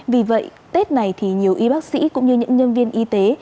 vì vậy tết này thì nhiều y bác sĩ cũng như những nhân viên y tế